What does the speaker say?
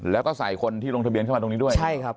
แล้วก็ใส่คนที่ลงทะเบียนเข้ามาตรงนี้ด้วยใช่ครับ